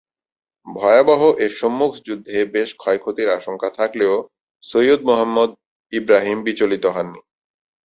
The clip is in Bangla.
ভয়াবহ এ সম্মুখ যুদ্ধে বেশ ক্ষয়ক্ষতির আশঙ্কা থাকলেও সৈয়দ মুহাম্মদ ইবরাহিম বিচলিত হননি।